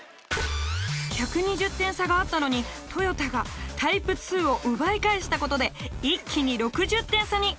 １２０点差があったのに豊田がタイプ２を奪い返したことで一気に６０点差に！